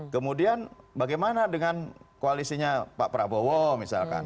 kemudian bagaimana dengan koalisinya pak prabowo misalkan